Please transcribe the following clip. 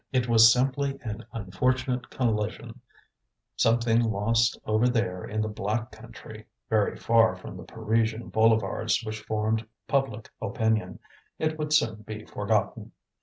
It was simply an unfortunate collision, something lost over there in the black country, very far from the Parisian boulevards which formed public opinion; it would soon be forgotten.